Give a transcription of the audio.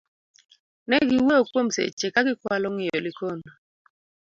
negi wuoyo kuom seche ka gikwalo ng'iyo Likono